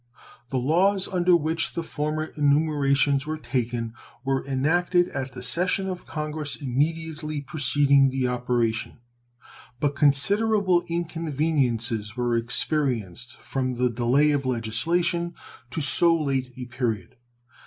The laws under which the former enumerations were taken were enacted at the session of Congress immediately preceding the operation; but considerable inconveniences were experienced from the delay of legislation to so late a period.